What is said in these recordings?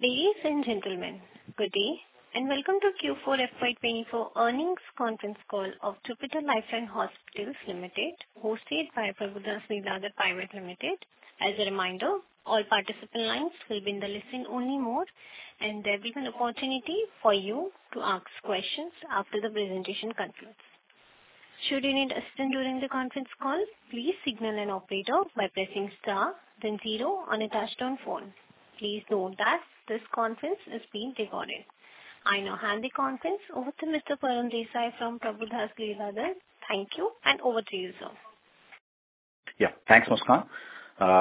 Ladies and gentlemen, good day and welcome to Q4 FY24 earnings conference call of Jupiter Life Line Hospitals Limited, hosted by Prabhudas Lilladher Private Limited. As a reminder, all participant lines will be in the listen-only mode, and there will be an opportunity for you to ask questions after the presentation concludes. Should you need assistance during the conference call, please signal an operator by pressing star, then zero on a touch-tone phone. Please note that this conference is being recorded. I now hand the conference over to Mr. Param Desai from Prabhudas Lilladher. Thank you, and over to you, sir. Yeah, thanks, Muskan.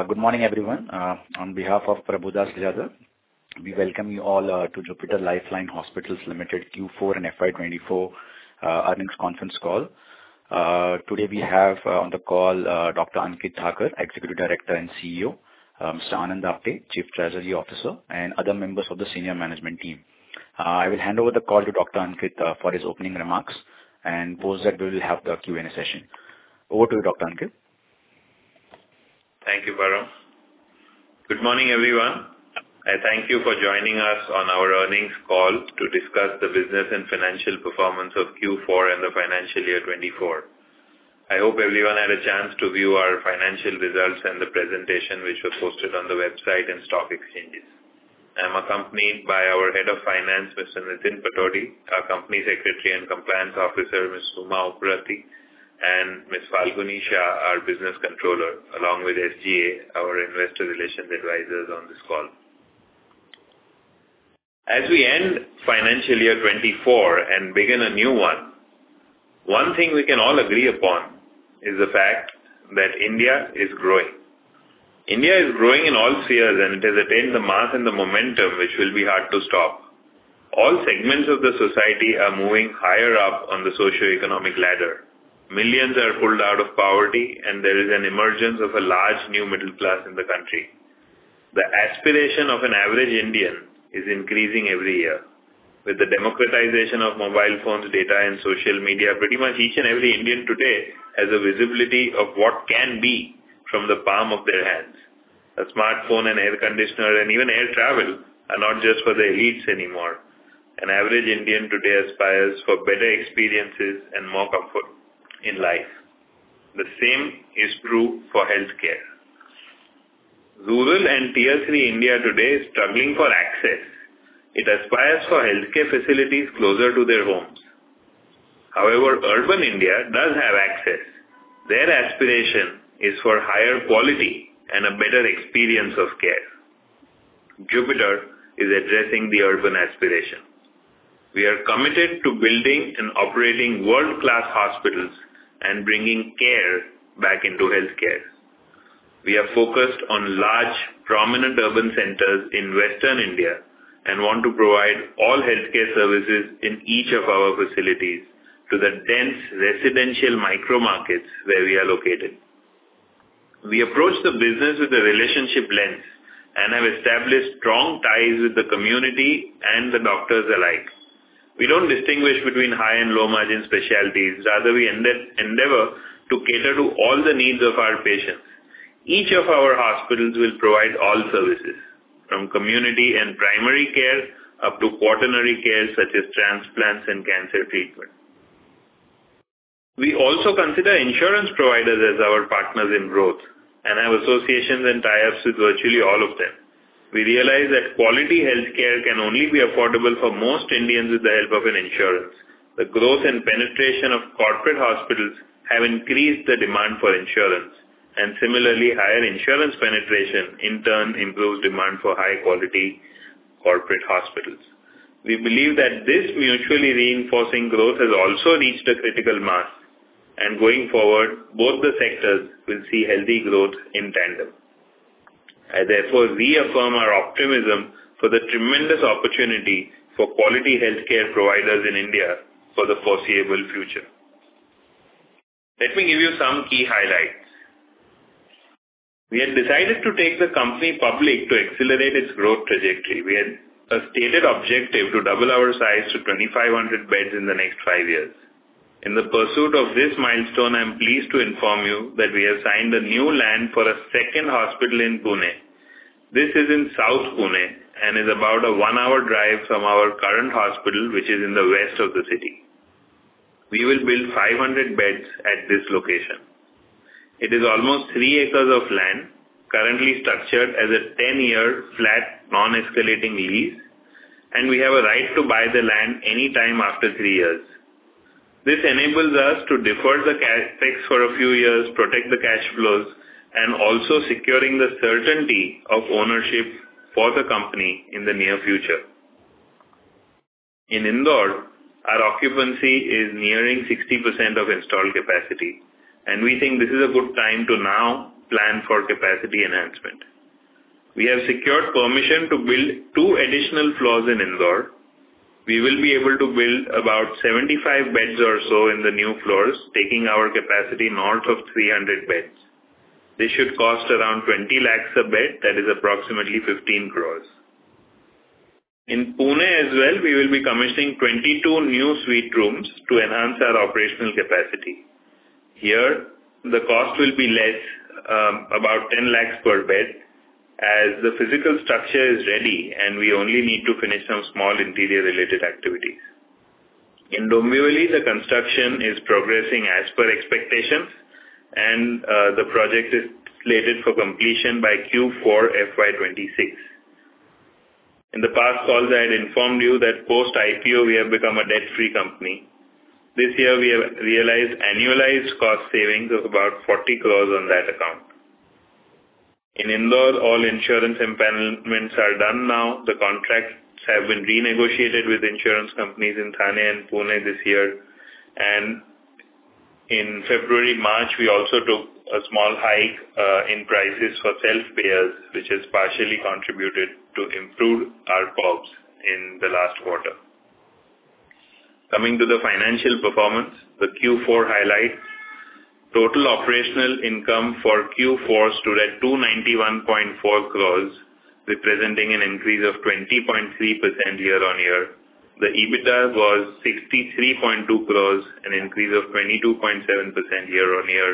Good morning, everyone. On behalf of Prabhudas Lilladher, we welcome you all to Jupiter Life Line Hospitals Limited Q4 and FY24 earnings conference call. Today we have on the call Dr. Ankit Thakker, Executive Director and CEO, Mr. Anand Apte, Chief Business & Strategy Officer, and other members of the senior management team. I will hand over the call to Dr. Ankit for his opening remarks and post that we will have the Q&A session. Over to you, Dr. Ankit. Thank you, Param. Good morning, everyone. I thank you for joining us on our earnings call to discuss the business and financial performance of Q4 and the financial year 2024. I hope everyone had a chance to view our financial results and the presentation, which was posted on the website and stock exchanges. I am accompanied by our Head of Finance, Mr. Nitin Patodi, our Company Secretary and Compliance Officer, Ms. Suma Upparatti, and Ms. Falguni Shah, our Business Controller, along with SGA, our Investor Relations Advisors, on this call. As we end financial year 2024 and begin a new one, one thing we can all agree upon is the fact that India is growing. India is growing in all spheres, and it has attained the mass and the momentum which will be hard to stop. All segments of the society are moving higher up on the socioeconomic ladder. Millions are pulled out of poverty, and there is an emergence of a large new middle class in the country. The aspiration of an average Indian is increasing every year, with the democratization of mobile phones, data, and social media. Pretty much each and every Indian today has a visibility of what can be from the palm of their hands. A smartphone, an air conditioner, and even air travel are not just for the elites anymore. An average Indian today aspires for better experiences and more comfort in life. The same is true for healthcare. Rural and Tier-3 India today is struggling for access. It aspires for healthcare facilities closer to their homes. However, urban India does have access. Their aspiration is for higher quality and a better experience of care. Jupiter is addressing the urban aspiration. We are committed to building and operating world-class hospitals and bringing care back into healthcare. We are focused on large, prominent urban centers in Western India and want to provide all healthcare services in each of our facilities to the dense residential micro-markets where we are located. We approach the business with a relationship lens and have established strong ties with the community and the doctors alike. We don't distinguish between high and low-margin specialties. Rather, we endeavor to cater to all the needs of our patients. Each of our hospitals will provide all services, from community and primary care up to quaternary care such as transplants and cancer treatment. We also consider insurance providers as our partners in growth, and have associations and tie-ups with virtually all of them. We realize that quality healthcare can only be affordable for most Indians with the help of an insurance. The growth and penetration of corporate hospitals have increased the demand for insurance, and similarly, higher insurance penetration, in turn, improves demand for high-quality corporate hospitals. We believe that this mutually reinforcing growth has also reached a critical mass, and going forward, both the sectors will see healthy growth in tandem. I therefore reaffirm our optimism for the tremendous opportunity for quality healthcare providers in India for the foreseeable future. Let me give you some key highlights. We had decided to take the company public to accelerate its growth trajectory. We had a stated objective to double our size to 2,500 beds in the next five years. In the pursuit of this milestone, I'm pleased to inform you that we have signed a new land for a second hospital in Pune. This is in South Pune and is about a 1-hour drive from our current hospital, which is in the west of the city. We will build 500 beds at this location. It is almost 3 acres of land, currently structured as a 10-year flat, non-escalating lease, and we have a right to buy the land anytime after 3 years. This enables us to defer the tax for a few years, protect the cash flows, and also secure the certainty of ownership for the company in the near future. In Indore, our occupancy is nearing 60% of installed capacity, and we think this is a good time to now plan for capacity enhancement. We have secured permission to build 2 additional floors in Indore. We will be able to build about 75 beds or so in the new floors, taking our capacity north of 300 beds. This should cost around 20 lakhs a bed; that is approximately 15 crores. In Pune as well, we will be commissioning 22 new suite rooms to enhance our operational capacity. Here, the cost will be less, about 10 lakhs per bed, as the physical structure is ready and we only need to finish some small interior-related activities. In Dombivli, the construction is progressing as per expectations, and the project is slated for completion by Q4 FY 2026. In the past calls, I had informed you that post-IPO we have become a debt-free company. This year, we have realized annualized cost savings of about 40 crores on that account. In Indore, all insurance improvements are done now. The contracts have been renegotiated with insurance companies in Thane and Pune this year, and in February, March, we also took a small hike in prices for self-payers, which has partially contributed to improve our ARBOP's in the last quarter. Coming to the financial performance, the Q4 highlights: total operational income for Q4 stood at 291.4 crores, representing an increase of 20.3% year-on-year. The EBITDA was 63.2 crores, an increase of 22.7% year-on-year,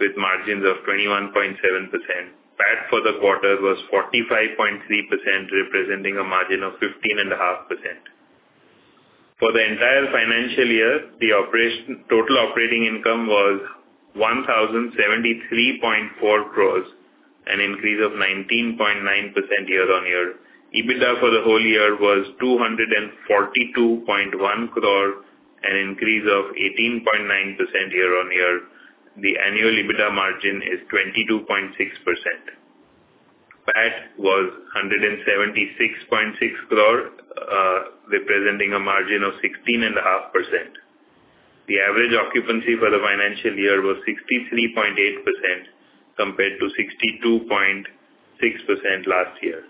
with margins of 21.7%. PAT for the quarter was 45.3 crores, representing a margin of 15.5%. For the entire financial year, the total operating income was 1,073.4 crores, an increase of 19.9% year-on-year. EBITDA for the whole year was 242.1 crores, an increase of 18.9% year-on-year. The annual EBITDA margin is 22.6%. PAT was 176.6 crores, representing a margin of 16.5%. The average occupancy for the financial year was 63.8% compared to 62.6% last year.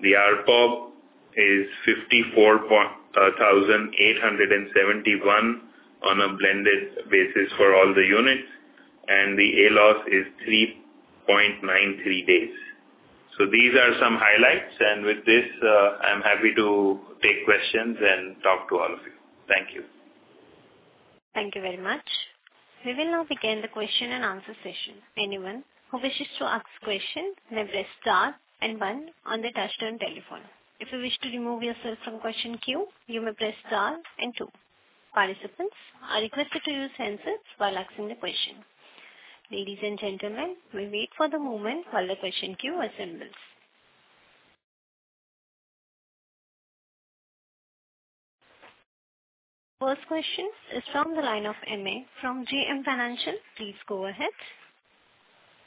The RPOB is 54,871 on a blended basis for all the units, and the ALOS is 3.93 days. So these are some highlights, and with this, I'm happy to take questions and talk to all of you. Thank you. Thank you very much. We will now begin the question-and-answer session. Anyone who wishes to ask a question may press star and one on the touchtone telephone. If you wish to remove yourself from question queue, you may press star and two. Participants are requested to use the handset while asking the question. Ladies and gentlemen, please wait for a moment while the question queue assembles. First question is from the line of Amey from JM Financial. Please go ahead.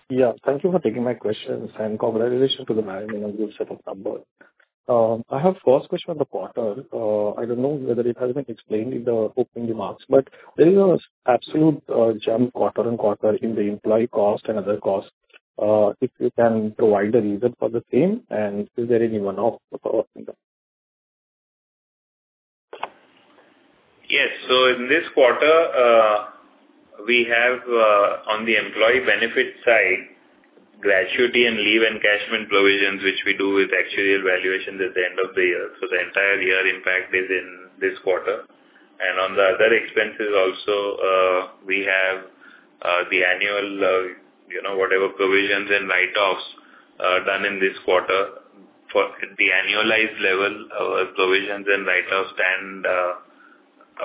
Yeah, thank you for taking my questions, and congratulations to the management of Jupiter Lifeline. I have a first question on the quarter. I don't know whether it has been explained in the opening remarks, but there is an absolute jump quarter-on-quarter in the employee cost and other costs. If you can provide the reason for the same, and is there any one-off? Yes. So in this quarter, we have, on the employee benefit side, gratuity and leave encashment provisions, which we do with actuarial valuation at the end of the year. So the entire year, in fact, is in this quarter. And on the other expenses also, we have the annual whatever provisions and write-offs done in this quarter. At the annualized level, our provisions and write-offs stand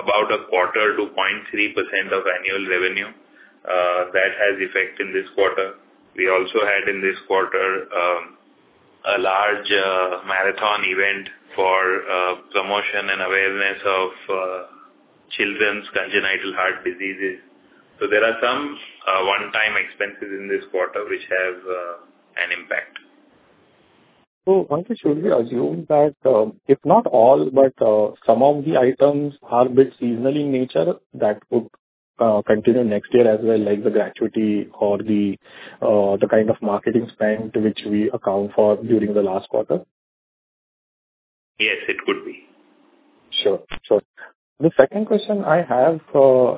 about 0.25%-0.3% of annual revenue. That has effect in this quarter. We also had, in this quarter, a large marathon event for promotion and awareness of children's congenital heart diseases. So there are some one-time expenses in this quarter which have an impact. Why don't you assume that if not all, but some of the items are a bit seasonal in nature, that would continue next year as well, like the gratuity or the kind of marketing spend which we account for during the last quarter? Yes, it could be. Sure, sure. The second question I have is, post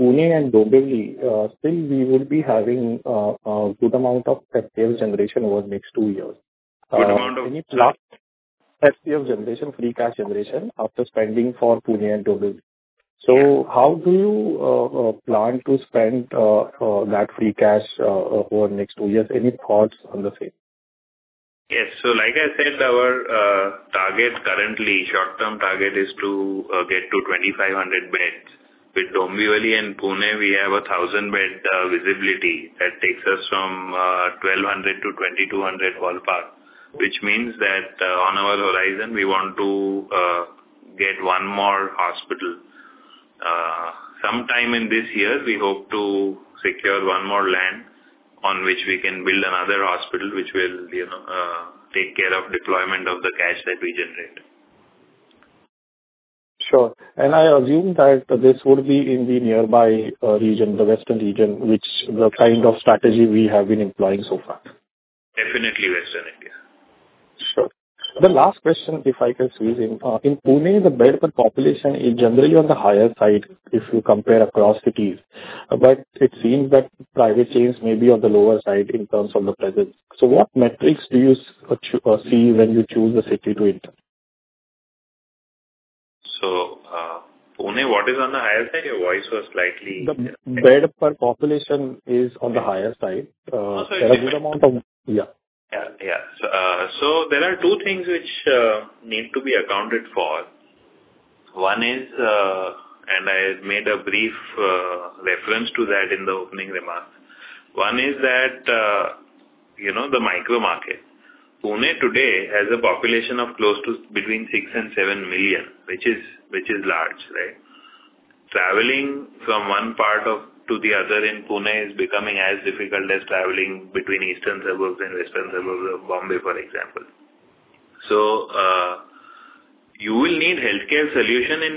Pune and Dombivli, still we would be having a good amount of FCF generation over the next two years. Good amount of? Any FCF generation, free cash generation, after spending for Pune and Dombivli? So how do you plan to spend that free cash over the next two years? Any thoughts on the same? Yes. So like I said, our target currently, short-term target, is to get to 2,500 beds. With Dombivli and Pune, we have 1,000-bed visibility. That takes us from 1,200 to 2,200 ballpark, which means that on our horizon, we want to get one more hospital. Sometime in this year, we hope to secure one more land on which we can build another hospital, which will take care of deployment of the cash that we generate. Sure. And I assume that this would be in the nearby region, the western region, which is the kind of strategy we have been employing so far? Definitely Western India. Sure. The last question, if I can squeeze in. In Pune, the bed per population is generally on the higher side if you compare across cities, but it seems that private chains may be on the lower side in terms of the presence. So what metrics do you see when you choose a city to enter? Pune, what is on the higher side? Your voice was slightly. Bed per population is on the higher side. There are a good amount of. So there are two things which need to be accounted for. One is, and I made a brief reference to that in the opening remarks, one is that the micro-market. Pune today has a population of close to between six and seven million, which is large, right? Traveling from one part to the other in Pune is becoming as difficult as traveling between eastern suburbs and western suburbs of Bombay, for example. So you will need healthcare solutions in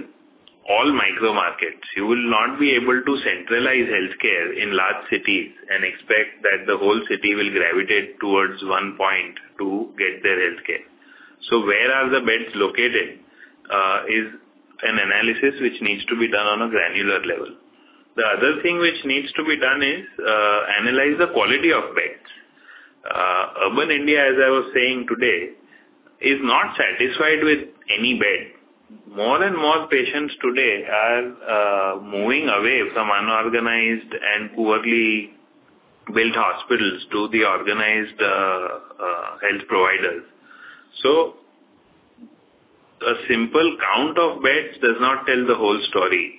all micro-markets. You will not be able to centralize healthcare in large cities and expect that the whole city will gravitate towards one point to get their healthcare. So where are the beds located is an analysis which needs to be done on a granular level. The other thing which needs to be done is analyze the quality of beds. Urban India, as I was saying today, is not satisfied with any bed. More and more patients today are moving away from unorganized and poorly built hospitals to the organized health providers. So a simple count of beds does not tell the whole story.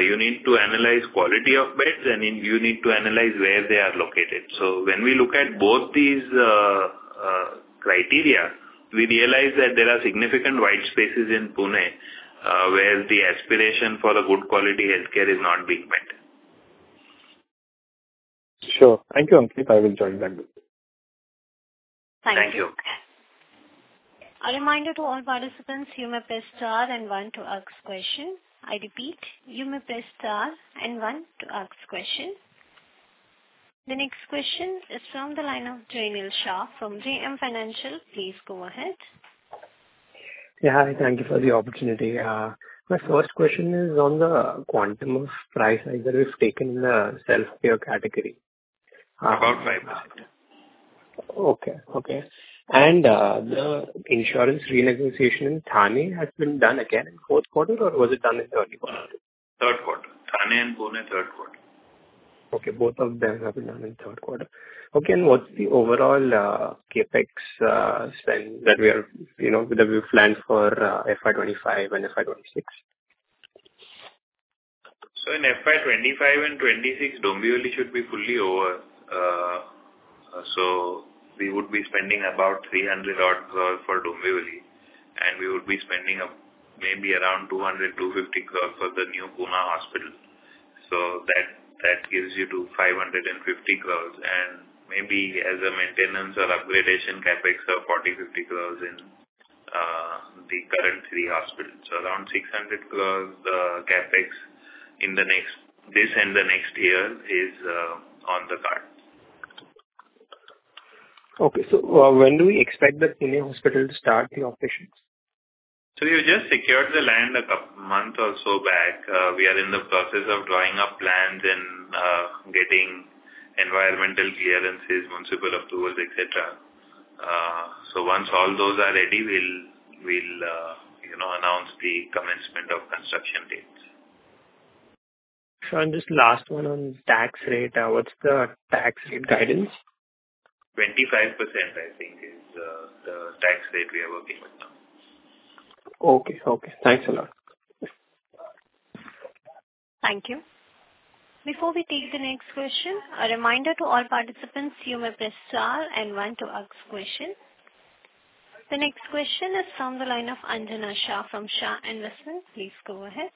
You need to analyze quality of beds, and you need to analyze where they are located. So when we look at both these criteria, we realize that there are significant white spaces in Pune where the aspiration for good quality healthcare is not being met. Sure. Thank you, Ankit. I will join back with you. Thank you. Thank you. A reminder to all participants, you may press star and one to ask questions. I repeat, you may press star and one to ask questions. The next question is from the line of Jaynil Shah from JM Financial. Please go ahead. Yeah, hi. Thank you for the opportunity. My first question is on the quantum of price that we've taken in the self-payer category. About 5%. Okay, okay. The insurance renegotiation in Thane has been done again in the fourth quarter, or was it done in the early quarter? Third quarter. Thane and Pune, third quarter. Okay. Both of them have been done in the third quarter. Okay. What's the overall CapEx spend that we have planned for FY25 and FY26? In FY25 and 2026, Dombivli should be fully over. We would be spending about 300 crore for Dombivli, and we would be spending maybe around 200-250 crore for the new Pune hospital. That gives you to 550 crore. And maybe as a maintenance or upgradation, CapEx of 40-50 crore in the current three hospitals. Around 600 crore CapEx in this and the next year is on the cards. Okay. So when do we expect the Pune hospital to start the operations? We have just secured the land a couple of months or so back. We are in the process of drawing up plans and getting environmental clearances, municipal approvals, etc. Once all those are ready, we'll announce the commencement of construction dates. Sure. Just the last one on tax rate. What's the tax rate guidance? 25%, I think, is the tax rate we are working with now. Okay. Thanks a lot. Thank you. Before we take the next question, a reminder to all participants, you may press star and one to ask questions. The next question is from the line of Anjana Shah from Shah Investments. Please go ahead.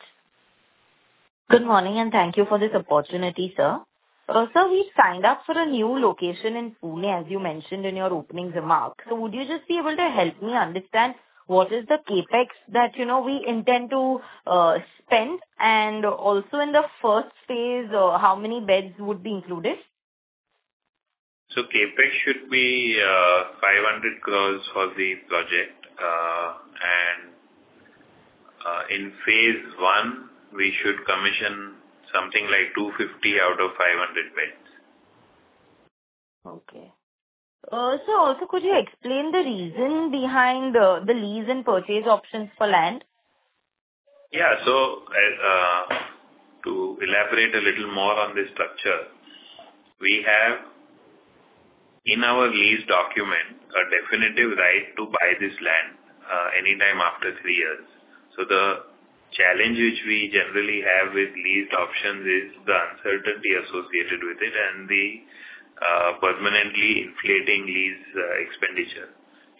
Good morning, and thank you for this opportunity, sir. Sir, we've signed up for a new location in Pune, as you mentioned in your opening remarks. So would you just be able to help me understand what is the CapEx that we intend to spend, and also in the first phase, how many beds would be included? CapEx should be 500 crore for the project. In phase one, we should commission something like 250 out of 500 beds. Okay. Sir, also, could you explain the reason behind the lease and purchase options for land? Yeah. So to elaborate a little more on the structure, we have, in our lease document, a definitive right to buy this land anytime after three years. So the challenge which we generally have with leased options is the uncertainty associated with it and the permanently inflating lease expenditure.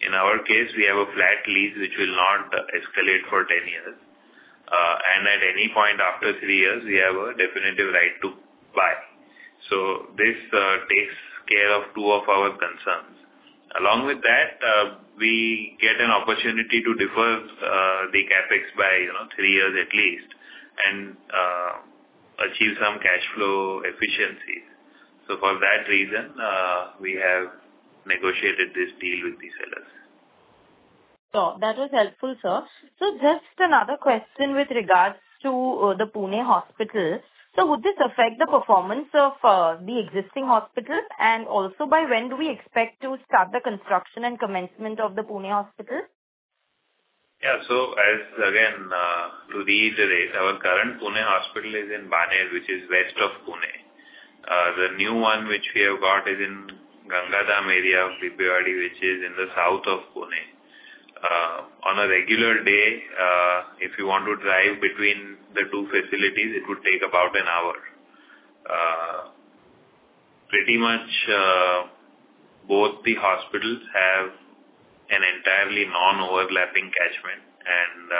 In our case, we have a flat lease which will not escalate for 10 years. And at any point after three years, we have a definitive right to buy. So this takes care of two of our concerns. Along with that, we get an opportunity to defer the CapEx by three years at least and achieve some cash flow efficiencies. So for that reason, we have negotiated this deal with the sellers. That was helpful, sir. Just another question with regards to the Pune hospital. Would this affect the performance of the existing hospital, and also by when do we expect to start the construction and commencement of the Pune hospital? Yeah. So again, to read the date, our current Pune hospital is in Baner, which is west of Pune. The new one which we have got is in Gangadham area of Bibwewadi, which is in the south of Pune. On a regular day, if you want to drive between the two facilities, it would take about an hour. Pretty much both the hospitals have an entirely non-overlapping catchment, and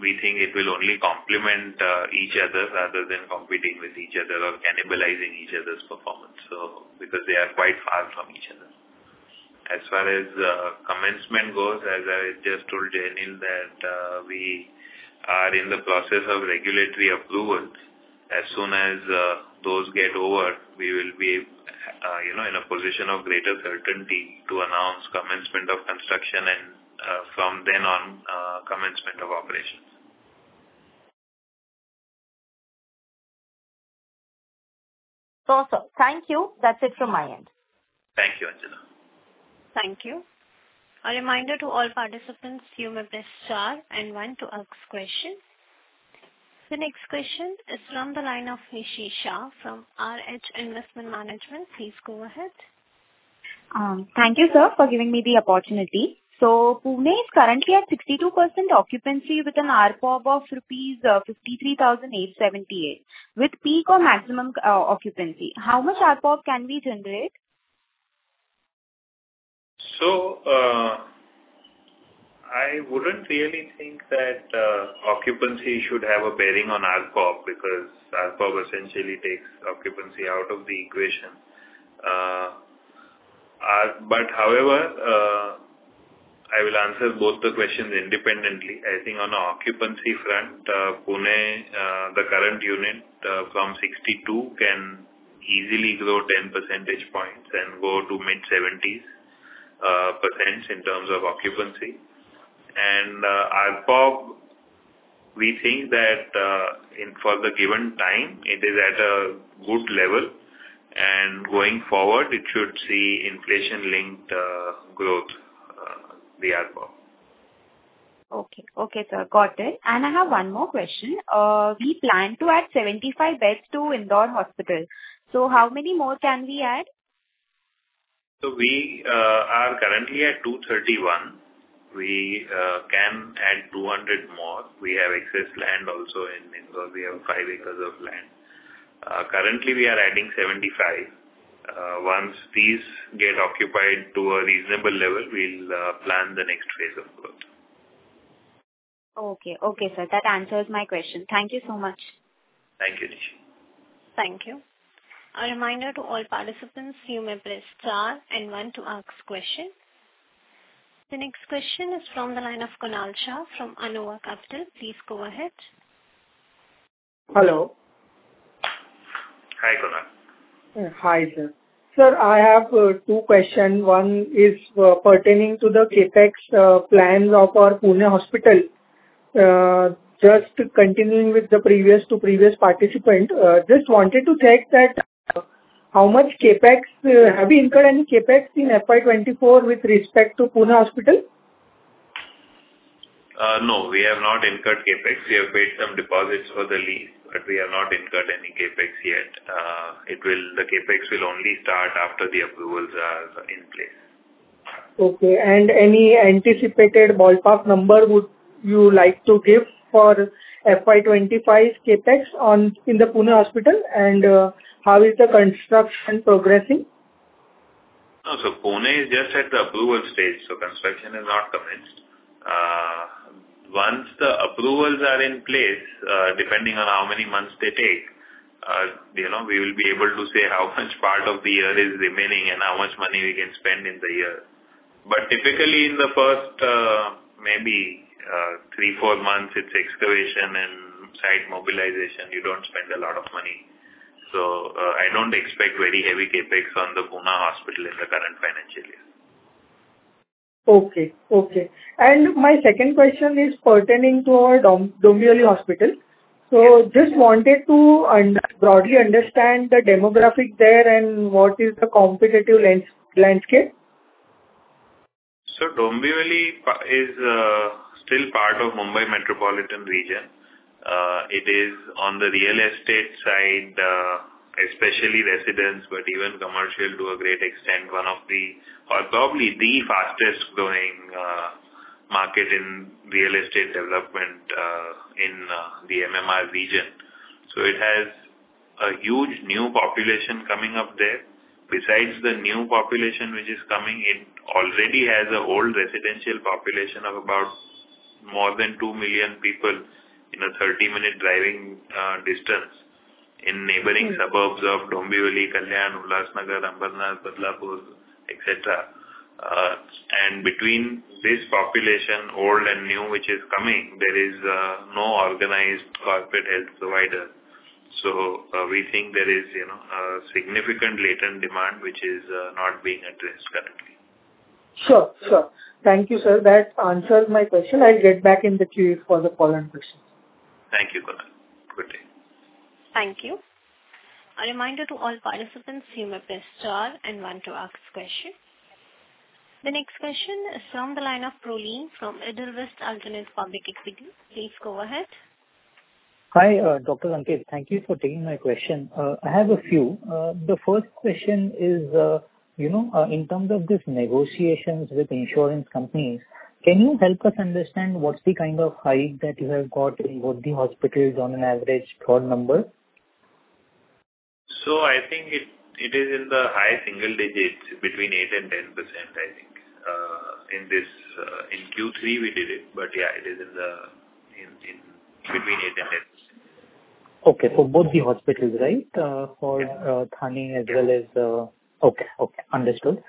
we think it will only complement each other rather than competing with each other or cannibalizing each other's performance because they are quite far from each other. As far as commencement goes, as I just told Jaynil, that we are in the process of regulatory approval. As soon as those get over, we will be in a position of greater certainty to announce commencement of construction and from then on, commencement of operations. Awesome. Thank you. That's it from my end. Thank you, Anjana. Thank you. A reminder to all participants, you may press star and one to ask questions. The next question is from the line of Nishi Shah from RH Investment Management. Please go ahead. Thank you, sir, for giving me the opportunity. Pune is currently at 62% occupancy with an RPOB of rupees 53,878 with peak or maximum occupancy. How much RPOB can we generate? I wouldn't really think that occupancy should have a bearing on RPOB because RPOB essentially takes occupancy out of the equation. But however, I will answer both the questions independently. I think on the occupancy front, Pune, the current unit from 62 can easily grow 10 percentage points and go to mid-70s% in terms of occupancy. And RPOB, we think that for the given time, it is at a good level. And going forward, it should see inflation-linked growth, the RPOB. Okay, okay, sir. Got it. I have one more question. We plan to add 75 beds to Indore Hospital. How many more can we add? So we are currently at 231. We can add 200 more. We have excess land also in Indore. We have 5 acres of land. Currently, we are adding 75. Once these get occupied to a reasonable level, we'll plan the next phase of growth. Okay, okay, sir. That answers my question. Thank you so much. Thank you, Nishi. Thank you. A reminder to all participants, you may press star and one to ask questions. The next question is from the line of Kunal Shah from Anuva Capital. Please go ahead. Hello. Hi, Kunal. Hi, sir. Sir, I have two questions. One is pertaining to the CapEx plans of our Pune hospital. Just continuing with the previous participant, just wanted to check that how much CapEx have we incurred any CapEx in FY24 with respect to Pune hospital? No, we have not incurred CapEx. We have paid some deposits for the lease, but we have not incurred any CapEx yet. The CapEx will only start after the approvals are in place. Okay. And any anticipated ballpark number would you like to give for FY25 CapEx in the Pune hospital, and how is the construction progressing? So Pune is just at the approval stage, so construction is not commenced. Once the approvals are in place, depending on how many months they take, we will be able to say how much part of the year is remaining and how much money we can spend in the year. But typically, in the first maybe 3-4 months, it's excavation and site mobilization. You don't spend a lot of money. So I don't expect very heavy CapEx on the Pune hospital in the current financial year. Okay, okay. And my second question is pertaining to our Dombivli hospital. So just wanted to broadly understand the demographic there and what is the competitive landscape. So Dombivli is still part of the Mumbai metropolitan region. It is on the real estate side, especially residents, but even commercial to a great extent, one of the or probably the fastest-growing market in real estate development in the MMR region. So it has a huge new population coming up there. Besides the new population which is coming, it already has an old residential population of more than 2 million people in a 30-minute driving distance in neighboring suburbs of Dombivli, Kalyan, Ulhasnagar, Ambernath, Badlapur, etc. And between this population, old and new, which is coming, there is no organized corporate health provider. So we think there is a significant latent demand which is not being addressed currently. Sure, sure. Thank you, sir. That answers my question. I'll get back in the queue for the following questions. Thank you, Kunal. Good day. Thank you. A reminder to all participants, you may press star and one to ask questions. The next question is from the line of Prolin from Edelweiss Alternate Public Equity. Please go ahead. Hi, Dr. Ankit. Thank you for taking my question. I have a few. The first question is, in terms of these negotiations with insurance companies, can you help us understand what's the kind of hike that you have got in both the hospitals on an average rough number? So I think it is in the high single digits, between 8% and 10%, I think. In Q3, we did it, but yeah, it is between 8% and 10%. Okay. For both the hospitals, right, for Thane as well as okay, okay.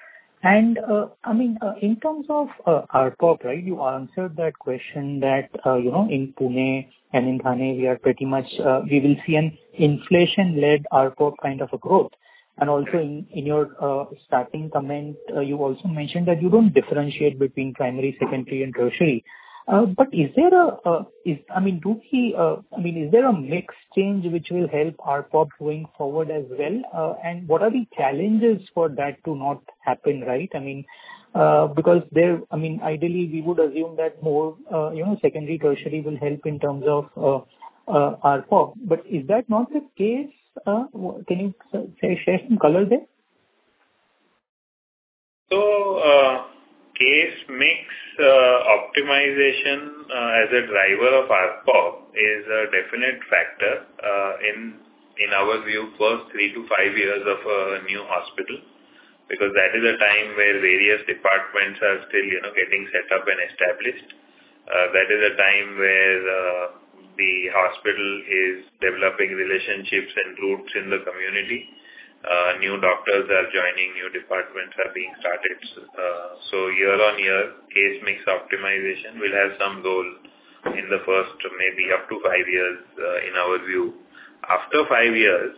Understood. And I mean, in terms of RPOB, right, you answered that question that in Pune and in Thane, we are pretty much we will see an inflation-led RPOB kind of a growth. And also in your starting comment, you also mentioned that you don't differentiate between primary, secondary, and tertiary. But is there a I mean, do we I mean, is there a mixed change which will help RPOB going forward as well? And what are the challenges for that to not happen, right? I mean, because there I mean, ideally, we would assume that more secondary, tertiary will help in terms of RPOB. But is that not the case? Can you share some color there? So case mix optimization as a driver of RPOB is a definite factor in our view for 3-5 years of a new hospital because that is a time where various departments are still getting set up and established. That is a time where the hospital is developing relationships and roots in the community. New doctors are joining. New departments are being started. So year on year, case mix optimization will have some role in the first maybe up to 5 years, in our view. After 5 years,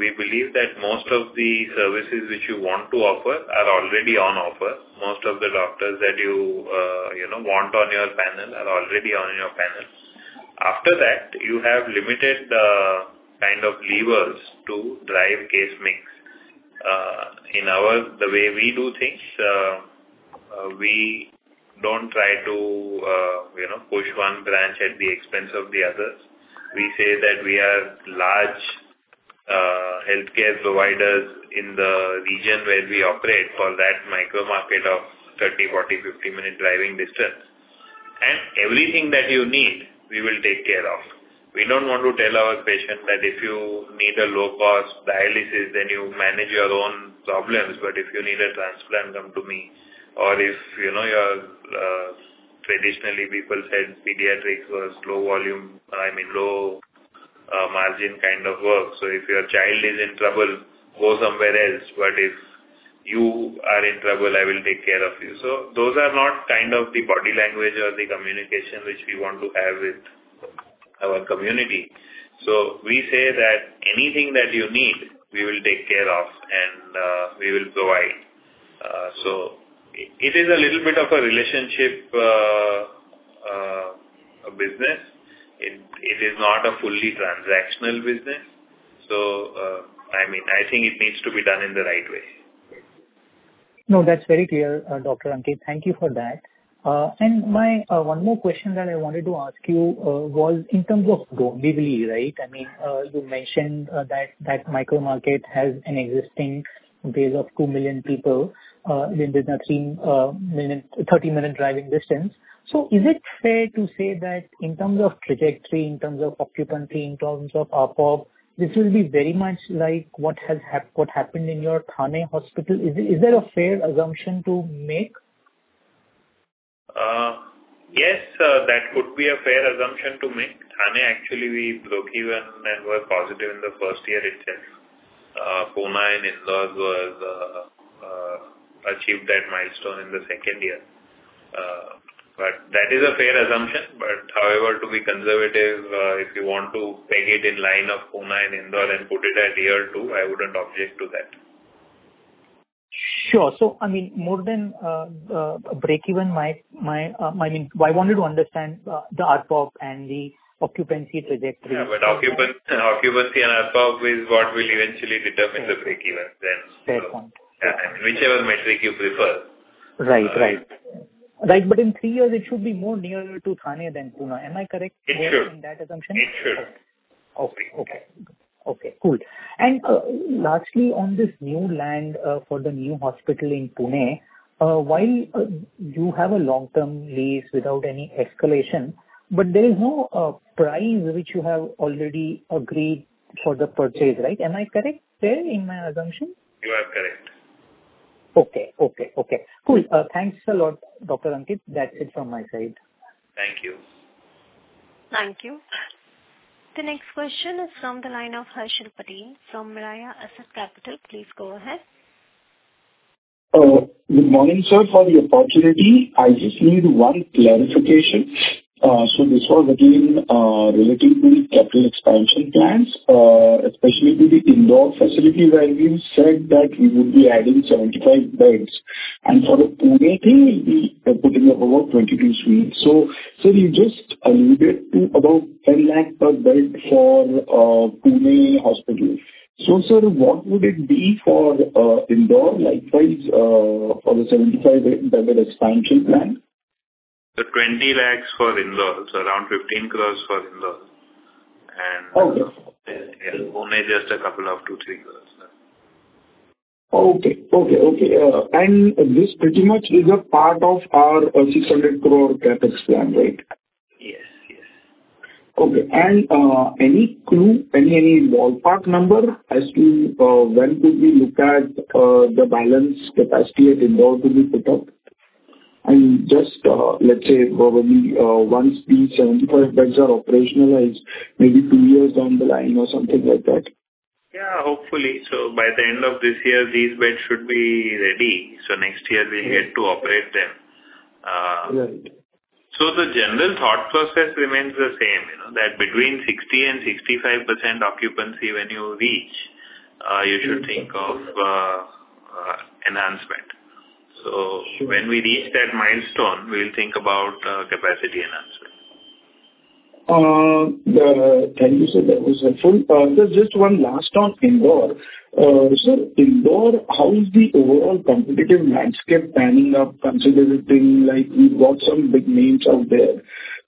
we believe that most of the services which you want to offer are already on offer. Most of the doctors that you want on your panel are already on your panel. After that, you have limited kind of levers to drive case mix. In the way we do things, we don't try to push one branch at the expense of the others. We say that we are large healthcare providers in the region where we operate for that micro-market of 30, 40, 50-minute driving distance. And everything that you need, we will take care of. We don't want to tell our patient that if you need a low-cost dialysis, then you manage your own problems. But if you need a transplant, come to me. Or if you're traditionally, people said pediatrics was low volume I mean, low-margin kind of work. So if your child is in trouble, go somewhere else. But if you are in trouble, I will take care of you. So those are not kind of the body language or the communication which we want to have with our community. We say that anything that you need, we will take care of, and we will provide. It is a little bit of a relationship business. It is not a fully transactional business. I mean, I think it needs to be done in the right way. No, that's very clear, Dr. Ankit. Thank you for that. And one more question that I wanted to ask you was in terms of Dombivli, right? I mean, you mentioned that micro-market has an existing base of 2 million people within a 30-minute driving distance. So is it fair to say that in terms of trajectory, in terms of occupancy, in terms of RPOB, this will be very much like what happened in your Thane hospital? Is that a fair assumption to make? Yes, that could be a fair assumption to make. Thane, actually, we broke even and were positive in the first year itself. Pune and Indore achieved that milestone in the second year. But that is a fair assumption. But however, to be conservative, if you want to peg it in line of Pune and Indore and put it at year two, I wouldn't object to that. Sure. So, I mean, more than break-even, I mean, I wanted to understand the RPOB and the occupancy trajectory. Yeah, but occupancy and RPOB is what will eventually determine the break-even then. Fair point. Yeah, I mean, whichever metric you prefer. Right. But in three years, it should be more nearer to Thane than Pune. Am I correct in that assumption? It should. Okay, okay, okay. Cool. And lastly, on this new land for the new hospital in Pune, while you have a long-term lease without any escalation, but there is no price which you have already agreed for the purchase, right? Am I correct there in my assumption? You are correct. Okay, okay, okay. Cool. Thanks a lot, Dr. Ankit. That's it from my side. Thank you. Thank you. The next question is from the line of Harshal Patil from Mirae Asset Capital Markets. Please go ahead. Good morning, sir, for the opportunity. I just need one clarification. So this was again relating to the capital expansion plans, especially to the Indore facility where we said that we would be adding 75 beds. And for the Pune thing, we'll be putting up about 22 suites. So, sir, you just alluded to about 10 lakh per bed for Pune hospital. So, sir, what would it be for Indore, likewise, for the 75-bed expansion plan? 20 lakhs for Indore, so around 15 crores for Indore. Yeah, Pune just a couple of 2-3 crores. Okay. This pretty much is a part of our 600 crore CapEx plan, right? Yes. Okay. Any clue, any ballpark number as to when could we look at the balance capacity at Indore to be put up? Just let's say, probably, once these 75 beds are operationalized, maybe two years down the line or something like that? Yeah, hopefully. So by the end of this year, these beds should be ready. So next year, we'll get to operate them. So the general thought process remains the same, that between 60%-65% occupancy when you reach, you should think of enhancement. So when we reach that milestone, we'll think about capacity enhancement. Thank you, sir. That was helpful. Sir, just one last on Indore. Sir, Indore, how is the overall competitive landscape panning up considering we've got some big names out there,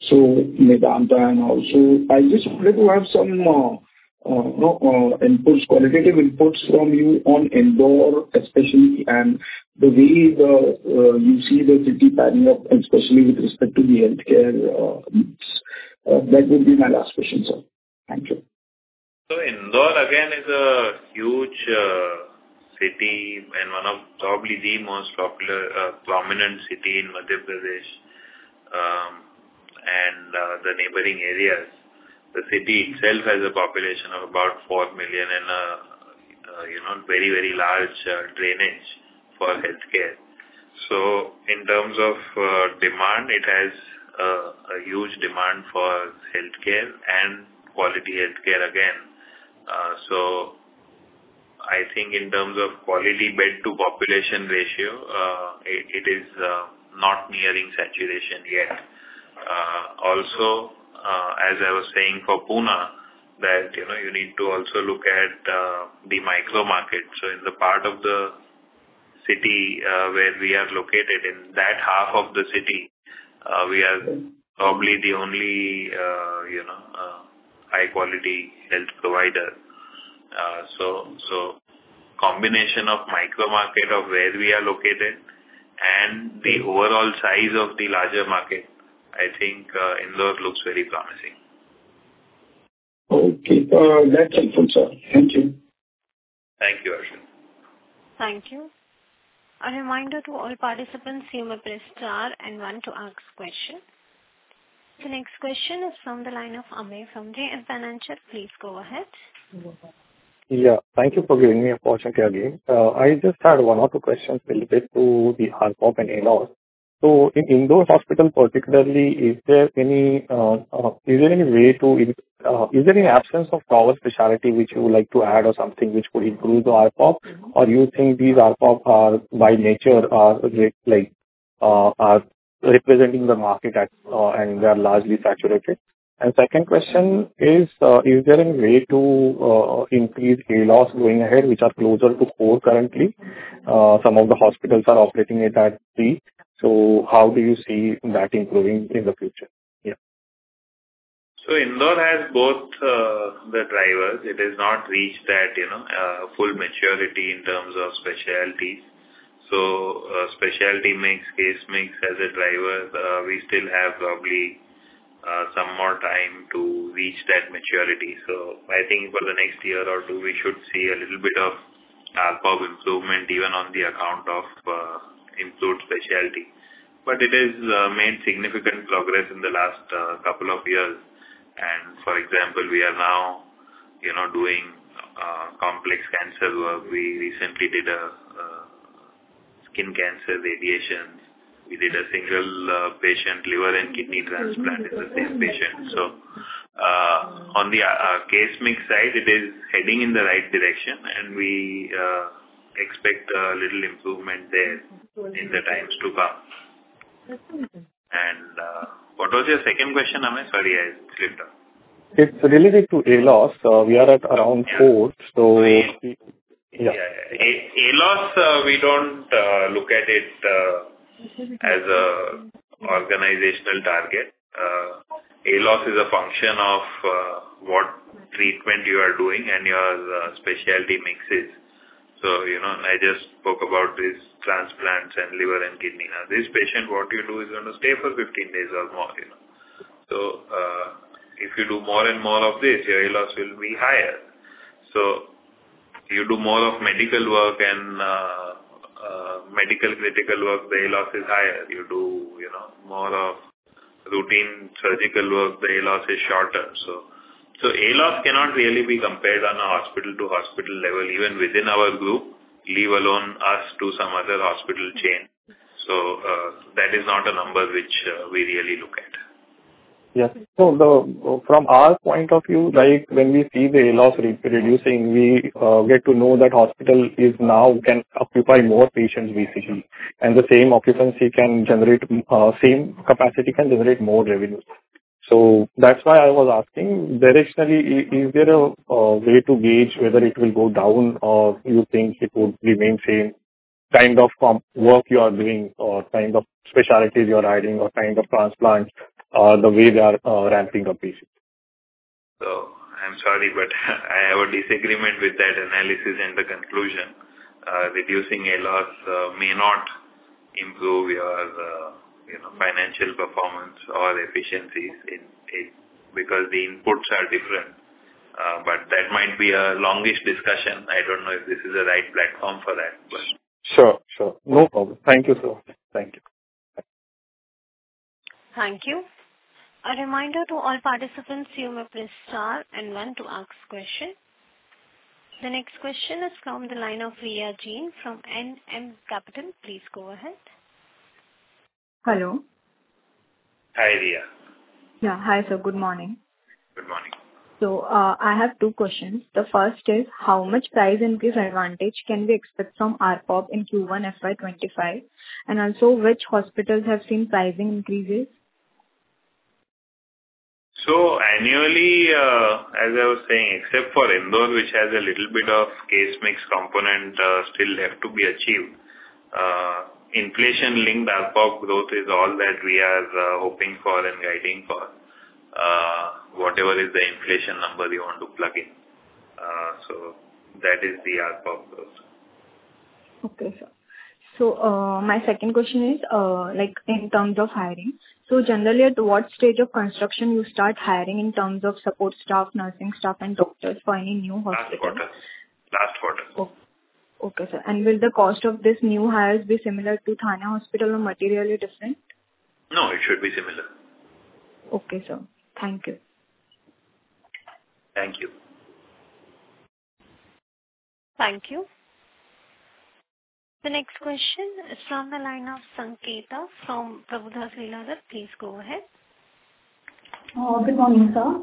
so Medanta and also? I just wanted to have some inputs, qualitative inputs from you on Indore, especially, and the way you see the city panning up, especially with respect to the healthcare. That would be my last question, sir. Thank you. So Indore, again, is a huge city and one of probably the most popular, prominent city in Madhya Pradesh and the neighboring areas. The city itself has a population of about 4 million and very, very large drainage for healthcare. So in terms of demand, it has a huge demand for healthcare and quality healthcare, again. So I think in terms of quality bed-to-population ratio, it is not nearing saturation yet. Also, as I was saying for Pune, that you need to also look at the micro-market. So in the part of the city where we are located, in that half of the city, we are probably the only high-quality health provider. So combination of micro-market of where we are located and the overall size of the larger market, I think Indore looks very promising. Okay. That's helpful, sir. Thank you. Thank you, Harshal. Thank you. A reminder to all participants, you may press star and one to ask questions. The next question is from the line of Amey from JM Financial. Please go ahead. Yeah. Thank you for giving me a portion here again. I just had one or two questions related to the RPOB and ALOS. So in Indore Hospital particularly, is there any absence of super specialty which you would like to add or something which could improve the RPOB? Or you think these RPOBs, by nature, are representing the market and they are largely saturated? And second question is, is there any way to increase ALOS going ahead which are closer to 3 currently? Some of the hospitals are operating it at three. So how do you see that improving in the future? Yeah. So Indore has both the drivers. It has not reached that full maturity in terms of specialties. So specialty mix, case mix as a driver, we still have probably some more time to reach that maturity. So I think for the next year or two, we should see a little bit of RPOB improvement even on the account of improved specialty. But it has made significant progress in the last couple of years. And for example, we are now doing complex cancer work. We recently did a skin cancer radiation. We did a single-patient liver and kidney transplant in the same patient. So on the case mix side, it is heading in the right direction, and we expect a little improvement there in the times to come. And what was your second question, Amey? Sorry, I slipped up. It's related to ALOS. We are at around four. So yeah. Yeah. ALOS, we don't look at it as an organizational target. ALOS is a function of what treatment you are doing and your specialty mixes. So I just spoke about these transplants and liver and kidney. Now, this patient, what you do is going to stay for 15 days or more. So if you do more and more of this, your ALOS will be higher. So you do more of medical work and medical-critical work, the ALOS is higher. You do more of routine surgical work, the ALOS is shorter. So ALOS cannot really be compared on a hospital-to-hospital level, even within our group, leave alone us to some other hospital chain. So that is not a number which we really look at. Yes. So from our point of view, when we see the ALOS reducing, we get to know that hospital now can occupy more patients, basically. And the same occupancy can generate same capacity can generate more revenue. So that's why I was asking, directionally, is there a way to gauge whether it will go down or you think it would remain same kind of work you are doing or kind of specialties you're adding or kind of transplants, the way they are ramping up patients? I'm sorry, but I have a disagreement with that analysis and the conclusion. Reducing ALOS may not improve your financial performance or efficiencies because the inputs are different. That might be a longish discussion. I don't know if this is the right platform for that, but. Sure, sure. No problem. Thank you, sir. Thank you. Thank you. A reminder to all participants, you may press star and one to ask questions. The next question is from the line of Riya Jain from NM Capital. Please go ahead. Hello. Hi, Riya. Yeah. Hi, sir. Good morning. Good morning. So I have two questions. The first is, how much price increase advantage can we expect from RPOB in Q1 FY25? And also, which hospitals have seen pricing increases? So annually, as I was saying, except for Indore, which has a little bit of case mix component still left to be achieved, inflation-linked RPOB growth is all that we are hoping for and guiding for, whatever is the inflation number you want to plug in. So that is the RPOB growth. Okay, sir. So my second question is in terms of hiring. So generally, at what stage of construction do you start hiring in terms of support staff, nursing staff, and doctors for any new hospital? Last quarter. Okay, sir. Will the cost of these new hires be similar to Thane Hospital or materially different? No, it should be similar. Okay, sir. Thank you. Thank you. Thank you. The next question is from the line of Sanketa from Prabhudas Lilladher. Please go ahead. Good morning, sir.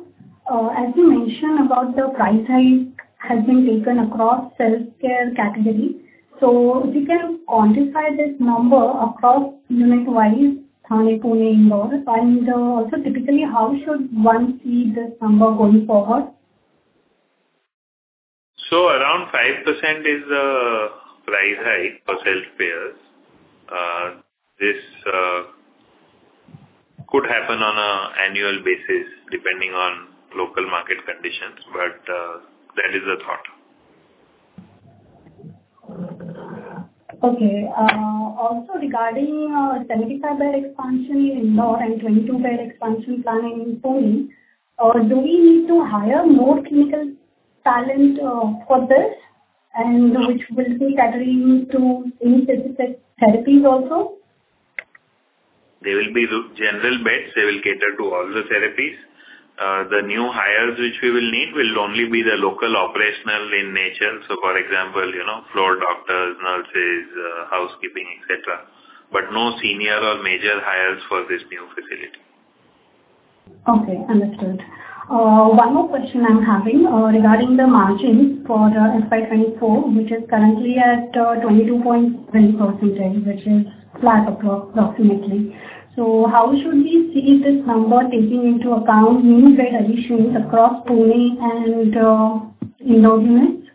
As you mentioned, about the price hike has been taken across healthcare category. So if you can quantify this number across unit-wise, Thane, Pune, Indore, and also typically, how should one see this number going forward? Around 5% is the price hike for healthcare. This could happen on an annual basis depending on local market conditions, but that is the thought. Okay. Also, regarding 75-bed expansion in Indore and 22-bed expansion planning in Pune, do we need to hire more clinical talent for this, and which will be catering to any specific therapies also? There will be general beds. They will cater to all the therapies. The new hires which we will need will only be the local operational in nature. So, for example, floor doctors, nurses, housekeeping, etc., but no senior or major hires for this new facility. Okay. Understood. One more question I'm having regarding the margins for FY24, which is currently at 22.7%, which is flat approximately. So how should we see this number taking into account new bed additions across Pune and Indore units?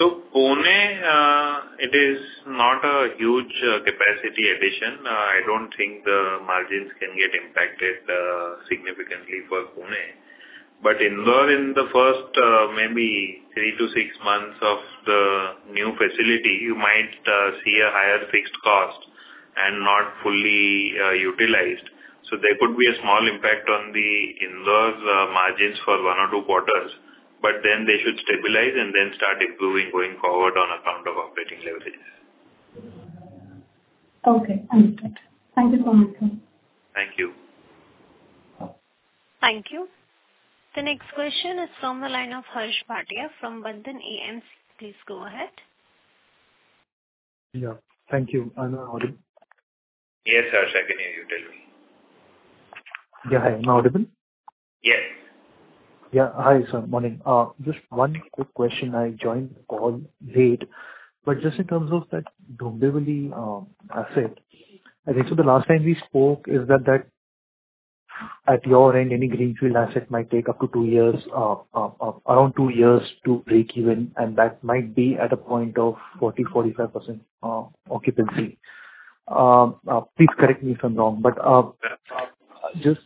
So Pune, it is not a huge capacity addition. I don't think the margins can get impacted significantly for Pune. But Indore, in the first maybe 3-6 months of the new facility, you might see a higher fixed cost and not fully utilized. So there could be a small impact on the Indore margins for 1 or 2 quarters, but then they should stabilize and then start improving going forward on account of operating leverage. Okay. Understood. Thank you so much, sir. Thank you. Thank you. The next question is from the line of Harsh Bhatia from Bandhan AMC. Please go ahead. Yeah. Thank you. Are you audible? Yes, Harish. I can hear you. Tell me. Yeah. Hi. Am I audible? Yes. Yeah. Hi, sir. Morning. Just one quick question. I joined the call late. But just in terms of that Dombivli asset, I think so the last time we spoke is that at your end, any greenfield asset might take up to two years, around two years to break even, and that might be at a point of 40%-45% occupancy. Please correct me if I'm wrong. But just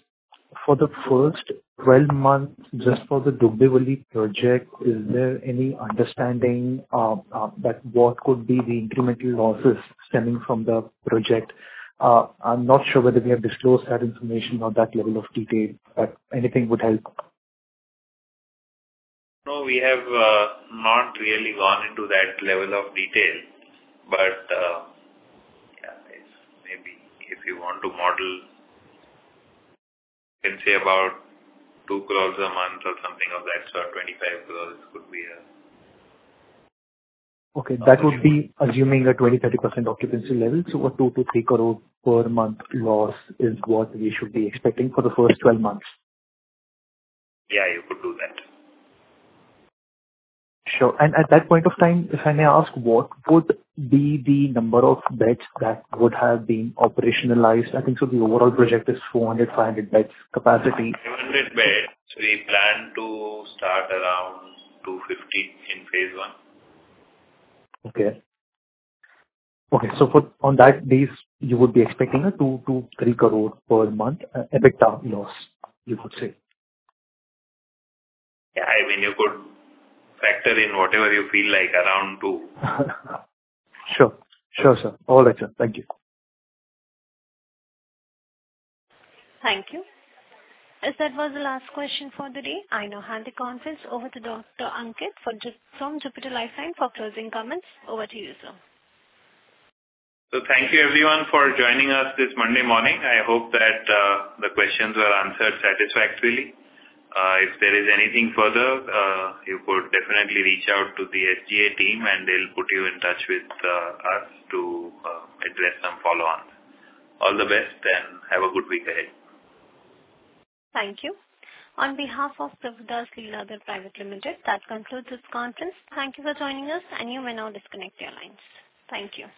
for the first 12 months, just for the Dombivli project, is there any understanding that what could be the incremental losses stemming from the project? I'm not sure whether we have disclosed that information or that level of detail, but anything would help. No, we have not really gone into that level of detail. But yeah, maybe if you want to model, you can say about 2 crore a month or something of that sort. 25 crore could be a. Okay. That would be assuming a 20%-30% occupancy level. So a 2 crore-3 crore per month loss is what we should be expecting for the first 12 months. Yeah, you could do that. Sure. And at that point of time, if I may ask, what would be the number of beds that would have been operationalized? I think so the overall project is 400-500 beds capacity. 500 beds. We plan to start around 250 in phase one. Okay. Okay. So on that basis, you would be expecting an 2 crore-3 crore per month effective loss, you could say. Yeah. I mean, you could factor in whatever you feel like, around 2. Sure, sir. All right, sir. Thank you. Thank you. As that was the last question for the day, I now hand the conference over to Dr. Ankit from Jupiter Life Line for closing comments. Over to you, sir. Thank you, everyone, for joining us this Monday morning. I hope that the questions were answered satisfactorily. If there is anything further, you could definitely reach out to the SGA team, and they'll put you in touch with us to address some follow-ons. All the best, and have a good week ahead. Thank you. On behalf of Prabhudas Lilladher Private Limited, that concludes this conference. Thank you for joining us, and you may now disconnect your lines. Thank you.